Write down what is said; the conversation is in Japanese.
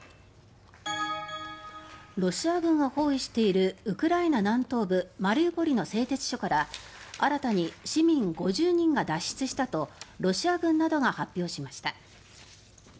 ロシア軍が包囲しているウクライナ南東部マリウポリの製鉄所から新たに市民５０人が脱出したとロシア軍などが発表しました。